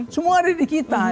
semua ada di kita